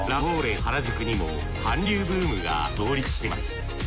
原宿にも韓流ブームが上陸しています。